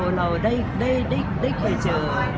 ใจไหมนะคะการที่เราได้คุยกับคุณเป๊กเน็ตเองแล้วเนี่ยการที่ได้